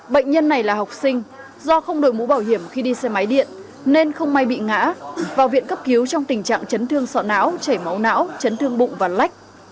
bệnh nhân này là học sinh do không đổi mũ bảo hiểm khi đi xe máy điện nên không may bị ngã vào viện cấp cứu trong tình trạng chấn thương sọ não chảy máu não chấn thương bụng và lách